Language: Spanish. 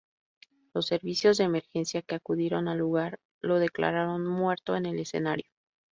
Los servicios de emergencia que acudieron al lugar lo declararon "muerto en el escenario".